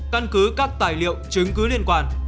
căn cứ các tài liệu chứng cứ liên quan